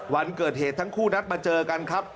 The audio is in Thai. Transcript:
วันเกิดเหตุทั้งคู่นัดมาเจอกันครับ